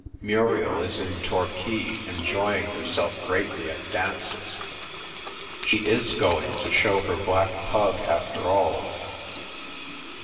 ... Muriel is in Torquay enjoying herself greatly at dances. She is going to show her black pug after all.